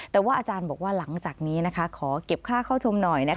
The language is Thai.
แต่ว่าอาจารย์บอกว่าหลังจากนี้ขอเก็บค่าเข้าชมหน่อย